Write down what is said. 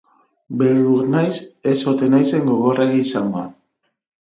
Beldur naiz ez ote naizen gogorregi izango.